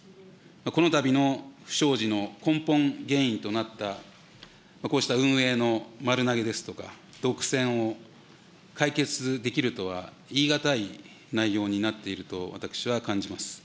このたびの不祥事の根本原因となった、こうした運営の丸投げですとか、独占を解決できるとは言い難い内容になっていると私は感じます。